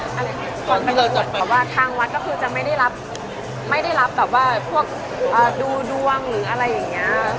เพราะว่าทางวัดก็คือจะไม่ได้รับไม่ได้รับแบบว่าพวกดูดวงหรืออะไรอย่างเงี้ย